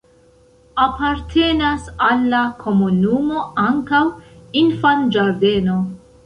Apartenas al la komunumo ankaŭ infanĝardeno.